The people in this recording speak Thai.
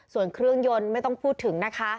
ส่วนเครื่องยนต์ไม่ต้องพูดถึงนะคะ